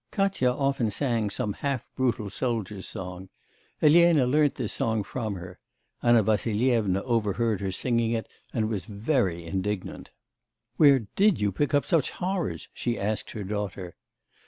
Katya often sang some half brutal soldier's song. Elena learnt this song from her.... Anna Vassilyevna overheard her singing it, and was very indignant. 'Where did you pick up such horrors?' she asked her daughter.